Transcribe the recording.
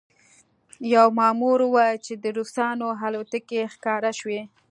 یوه مامور وویل چې د روسانو الوتکې ښکاره شوې